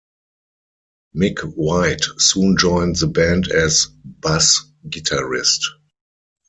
Mick White soon joined the band as bass guitarist.